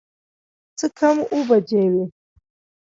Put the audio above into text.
څه کم اووه بجې وې.